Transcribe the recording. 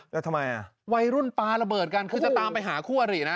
แล้วทำไมอ่ะวัยรุ่นปลาระเบิดกันคือจะตามไปหาคู่อรินะ